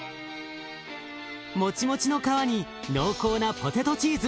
もちもちの皮に濃厚なポテトチーズ。